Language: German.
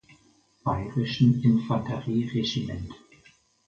Bayerischen Infanterieregiment.